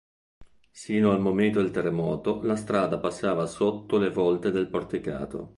Sino al momento del terremoto la strada passava sotto le volte del porticato.